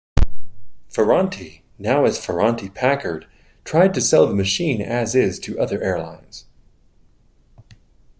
Ferranti, now as Ferranti-Packard, tried to sell the machine as-is to other airlines.